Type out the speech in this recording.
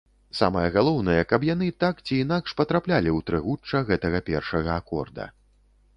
Самае галоўнае, каб яны так ці інакш патраплялі ў трыгучча гэтага першага акорда.